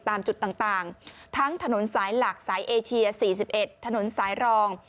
ตามจุดต่างทั้งถนนสายหลักสายเอเชีย๔๑ถนนสายรอง